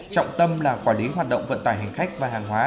trọng tâm là quản lý hoạt động vận tải hành khách và hàng hóa